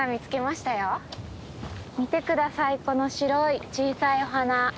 見て下さいこの白い小さいお花。